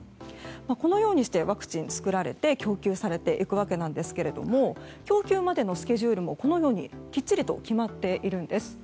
このようにしてワクチンは作られて供給されていくわけなんですが供給までのスケジュールもこのようにきっちりと決まっています。